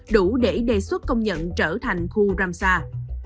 đủ để đề xuất công nhận trở thành khu ramsar